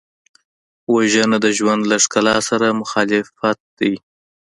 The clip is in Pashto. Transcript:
وژنه د ژوند له ښکلا سره مخالفت دی